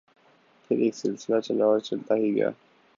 پھر ایک سلسلہ چلا اور چلتا ہی گیا۔